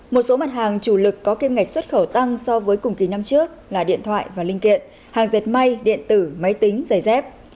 một số mặt hàng chủ lực có kim ngạch xuất khẩu tăng so với cùng kỳ năm trước là điện thoại và linh kiện hàng dệt may điện tử máy tính giày dép